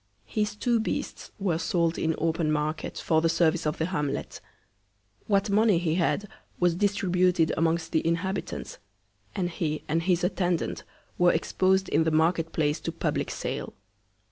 His two Beasts were sold in open Market, for the Service of the Hamlet; What Money he had was distributed amongst the Inhabitants; and he and his Attendant were expos'd in the Market place to public Sale.